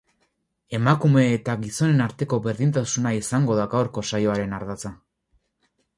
Emakume eta gizonen arteko berdintasuna izango da gaurko saioaren ardatza.